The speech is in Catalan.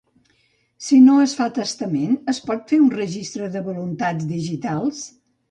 Si no es fa testament, es pot fer un registre de voluntats digitals.